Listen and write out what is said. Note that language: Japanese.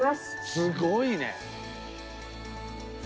すごいね！